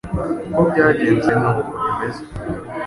Uko byagenze Nuko bimeze